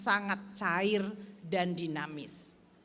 sangat cair dan dinamis